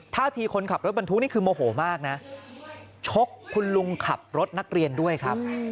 ท่าทีคนขับรถบรรทุกนี่คือโมโหมากนะชกคุณลุงขับรถนักเรียนด้วยครับ